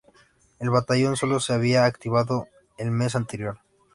El batallón solo se había activado el mes anterior.